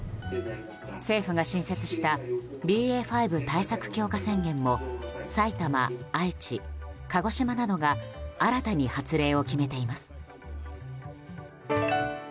政府が新設したＢＡ．５対策強化宣言も埼玉、愛知、鹿児島などが新たに発令を決めています。